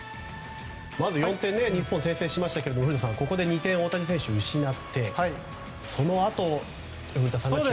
まずは４点日本が先制しましたけど古田さん、ここで２点大谷選手が失ってそのあと、古田さんが。